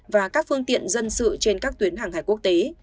và các phương tiện dân sự trên các tuyến hàng hải quốc tế